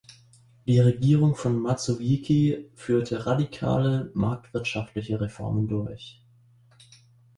Die Regierung von Mazowiecki führte radikale marktwirtschaftliche Reformen durch.